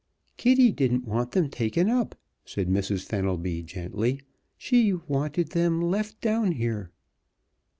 "Kitty didn't want them taken up," said Mrs. Fenelby, gently. "She she wanted them left down here."